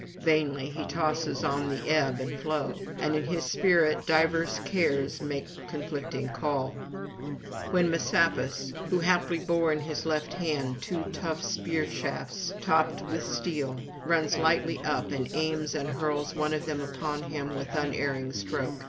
Vainly he tosses on the ebb and flow, and in his spirit diverse cares make conflicting call; when Messapus, who haply bore in his left hand two tough spear shafts topped with steel, runs lightly up and aims and hurls one of them upon him with unerring stroke.